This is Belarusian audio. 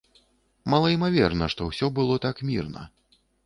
Малаімаверна, што ўсё было так мірна.